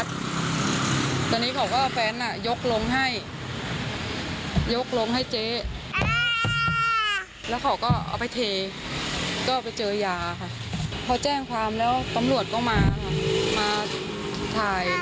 ตอนนี้ลำบากมากเลยค่ะพี่ต้องเช่าบ้านแล้วก็ส่งวัดรถ